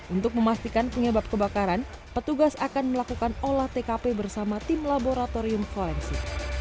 untuk memastikan penyebab kebakaran petugas akan melakukan olah tkp bersama tim laboratorium forensik